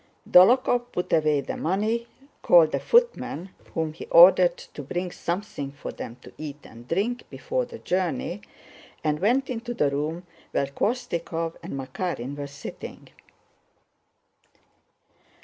Dólokhov put away the money, called a footman whom he ordered to bring something for them to eat and drink before the journey, and went into the room where Khvóstikov and Makárin were sitting.